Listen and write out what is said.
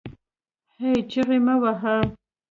هې ! چیغې مه واهه